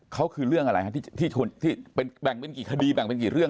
เขาคือเรื่องอะไรฮะที่แบ่งเป็นกี่คดีแบ่งเป็นกี่เรื่อง